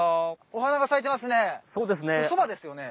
お花が咲いてますね。